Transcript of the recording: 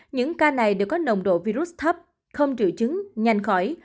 những ca này đều có nồng độ virus thấp không trự trứng nhanh khỏi